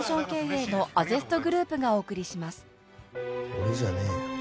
「俺じゃねえよ」